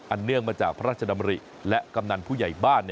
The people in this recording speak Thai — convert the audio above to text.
เนื่องมาจากพระราชดำริและกำนันผู้ใหญ่บ้าน